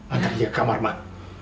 angkat dia ke kamar mak